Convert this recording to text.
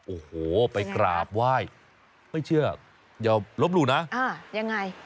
โอ้โหไปกราบไหว้ไม่เชื่ออย่าลบหลู่นะยังไง